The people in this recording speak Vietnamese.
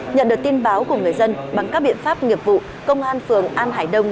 nhận được tin báo của người dân bằng các biện pháp nghiệp vụ công an phường an hải đông